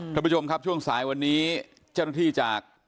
ผ่านประจ๋มครับช่วงสายวันนี้เจ้ารหที่จาก